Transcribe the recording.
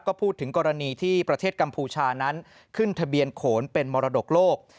ก็พูดถึงกรณีที่ประเทศกัมพูชานั้นขึ้นทะเบียนโขนเป็นมรดกโลก